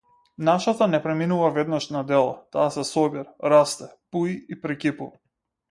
Нашата не преминува веднаш на дело, таа се собира, расте, буи и прекипува.